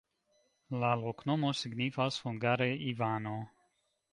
La loknomo signifas hungare: Ivano.